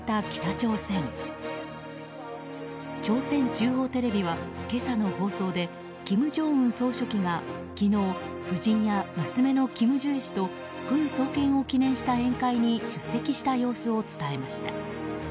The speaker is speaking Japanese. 朝鮮中央テレビは今朝の放送で金正恩総書記が昨日、夫人や娘のキム・ジュエ氏と軍創建を記念した宴会に出席した様子を伝えました。